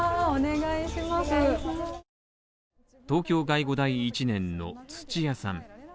東京外語大１年の土屋さん